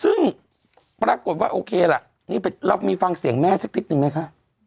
ซึ่งปรากฏว่าโอเคล่ะนี่เรามีฟังเสียงแม่สักนิดนึงไหมคะ